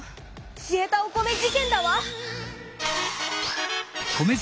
消えたお米事件だわ！